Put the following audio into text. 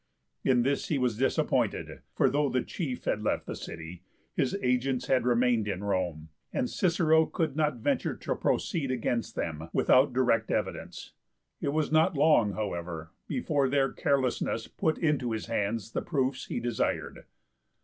In this he was disappointed, for though the chief had left the city, his agents had remained in Rome, and Cicero could not venture to proceed against them without direct evidence. It was not long, however, before their carelessness put into his hands the proofs he desired.